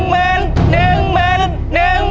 ๑วัน